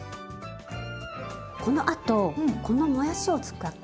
このあとこのもやしを使って。